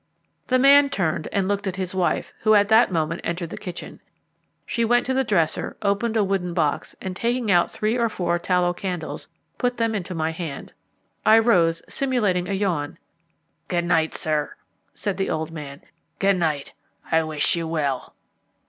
The man turned and looked at his wife, who at that moment entered the kitchen. She went to the dresser, opened a wooden box, and taking out three or four tallow candles, put them into my hand. I rose, simulating a yawn. "Good night, sir," said the old man; "good night; I wish you well."